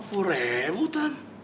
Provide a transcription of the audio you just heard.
kok lima puluh rebutan